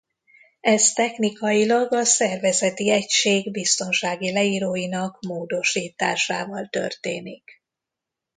Ez technikailag a szervezeti egység biztonsági leíróinak módosításával történik.